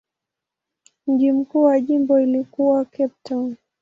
Mji mkuu wa jimbo ulikuwa Cape Town.